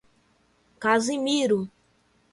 Casimiro